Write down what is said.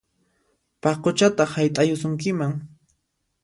Paquchataq hayt'ayusunkiman!